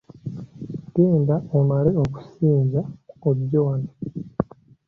Genda omale okusinza ojje wano.